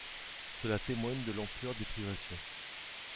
Cela témoigne de l'ampleur des privations.